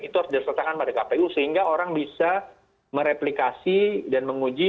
itu harus disertakan pada kpu sehingga orang bisa mereplikasi dan menguji